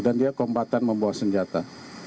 dan dia kombatan membawa senjata